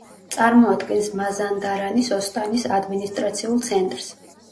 წარმოადგენს მაზანდარანის ოსტანის ადმინისტრაციულ ცენტრს.